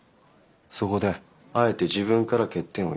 そこであえて自分から欠点を言った。